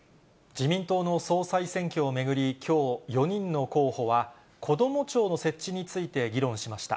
自民党の総裁選挙を巡り、きょう、４人の候補は、こども庁の設置について議論しました。